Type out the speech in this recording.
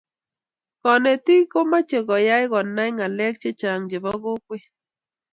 konetik komeche keyay konai ngalek chechang chebo kokwet